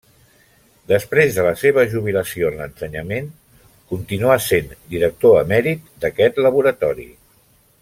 Després de la seva jubilació en l'ensenyament continuar sent director emèrit d'aquest laboratori.